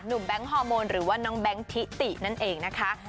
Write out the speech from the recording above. แบงค์ฮอร์โมนหรือว่าน้องแบงค์ทิตินั่นเองนะคะ